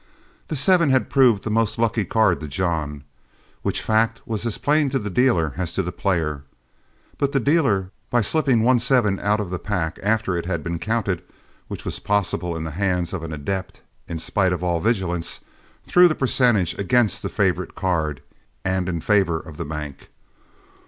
The seven had proved the most lucky card to John, which fact was as plain to dealer as to player, but the dealer, by slipping one seven out of the pack after it had been counted, which was possible in the hands of an adept in spite of all vigilance, threw the percentage against the favorite card and in favor of the bank.